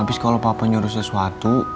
abis kalau papa nyuruh sesuatu